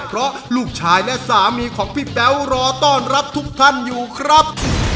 เพราะลูกชายและสามีของพี่แป๊วรอต้อนรับทุกท่านอยู่ครับ